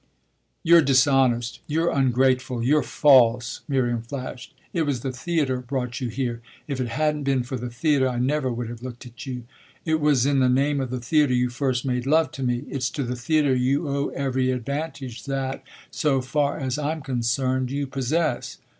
"You're dishonest, you're ungrateful, you're false!" Miriam flashed. "It was the theatre brought you here if it hadn't been for the theatre I never would have looked at you. It was in the name of the theatre you first made love to me; it's to the theatre you owe every advantage that, so far as I'm concerned, you possess."